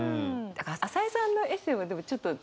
朝井さんのエッセーはでもちょっと若干。